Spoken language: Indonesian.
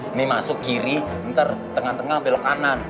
ini masuk kiri ntar tengah tengah belok kanan